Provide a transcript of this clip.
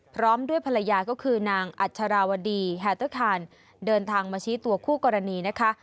พร้อมด้วยภรรยาก็คือนางอัชราวดีแฮเตอร์คานเดินทางมาชี้ตัวคู่กรณีนะคะ